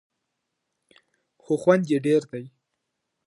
خو خوند یې ډېر دی.